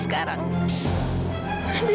tidak ada yang tahu